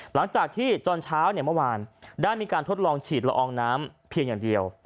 หลังจากที่ตอนเช้าเมื่อวานได้มีการทดลองฉีดละอองน้ำเพียงอย่างเดียว